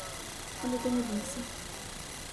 Але ти не бійся!